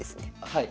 はい。